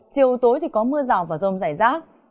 chiều tối có mưa rào và rông rải rác